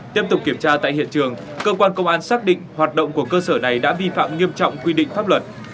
tiếp tục kiểm tra tại hiện trường cơ quan công an xác định hoạt động của cơ sở này đã vi phạm nghiêm trọng quy định pháp luật